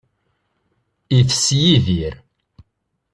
Itess Yidir